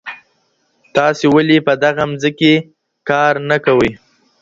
تاسي ولي په دغه مځکي کار نه کوئ؟